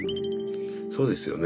そうですよね。